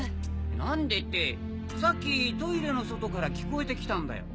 何でってさっきトイレの外から聞こえて来たんだよ。